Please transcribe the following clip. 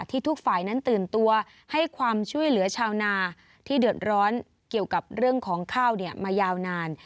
ทุกฝ่ายนั้นตื่นตัวให้ความช่วยเหลือชาวนาที่เดือดร้อนเกี่ยวกับเรื่องของข้าวมายาวนาน